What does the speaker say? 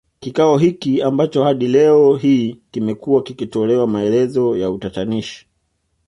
Kikao hiki ambacho hadi leo hii kimekuwa kikitolewa maelezo ya utatanishi